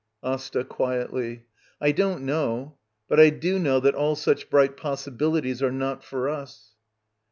Asta. [Quietly.] I don't know. But I do know that all such bright possibilities are not for us.